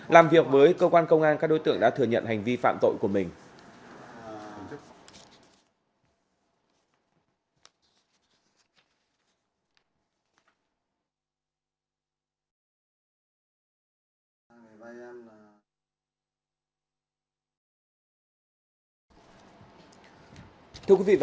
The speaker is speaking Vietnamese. làm việc với cơ quan công an các đối tượng đã thừa nhận hành vi phạm tội của mình